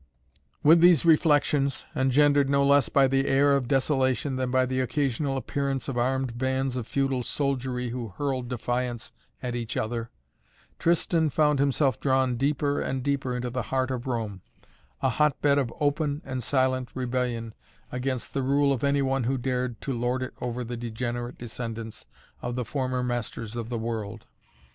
With these reflections, engendered no less by the air of desolation than by the occasional appearance of armed bands of feudal soldiery who hurled defiance at each other, Tristan found himself drawn deeper and deeper into the heart of Rome, a hotbed of open and silent rebellion against the rule of any one who dared to lord it over the degenerate descendants of the former masters of the world.